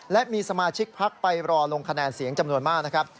และมีสมาชิกพักไปรอลงคะแนนเสียงจำนวนมากนะครับ